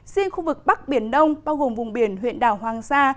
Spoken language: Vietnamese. riêng khu vực bắc biển đông bao gồm vùng biển huyện đảo hoàng sa